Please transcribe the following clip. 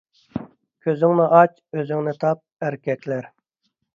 كۆزۈڭنى ئاچ، ئۆزۈڭنى تاپ ئەركەكلەر